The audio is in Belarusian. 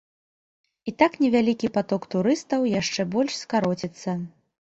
І так невялікі паток турыстаў яшчэ больш скароціцца.